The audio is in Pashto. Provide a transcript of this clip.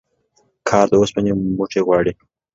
کار د اوسپني موټي غواړي